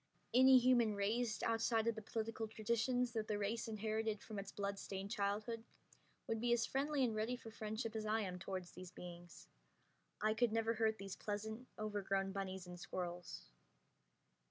Any human raised outside of the political traditions that the race inherited from its bloodstained childhood would be as friendly and ready for friendship as I am toward these beings. I could never hurt these pleasant, overgrown bunnies and squirrels.